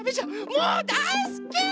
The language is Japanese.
もうだいすき！